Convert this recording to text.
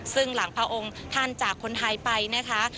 ซึ่งหลังพระองค์ท่านจากคนไทยไปนะคะ